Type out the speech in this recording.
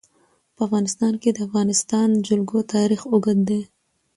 په افغانستان کې د د افغانستان جلکو تاریخ اوږد دی.